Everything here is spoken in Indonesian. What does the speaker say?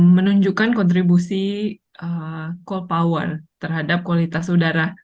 menunjukkan kontribusi terhadap kualitas udara